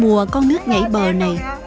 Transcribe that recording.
mùa có nước nhảy bờ này